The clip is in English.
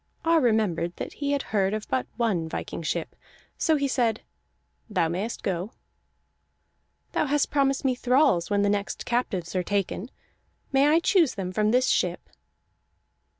Ar remembered that he had heard of but one viking ship, so he said: "Thou mayest go." "Thou hast promised me thralls when the next captives are taken. May I choose them from this ship?"